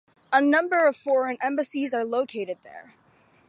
A number of foreign embassies are located there.